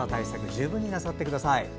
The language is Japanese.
十分になさってください。